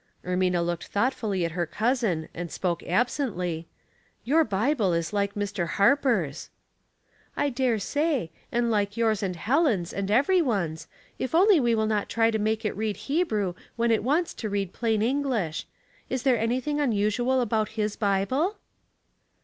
Ermina looked thoughtfully at her cousin and spoke absently, " Your Bible is like Mr. Harper's! "" I dare say, and like yours and Helen's and every one's, if only we will not try to make it read Hebrew when it wants to read plain English. Is there anything unusual about his Bible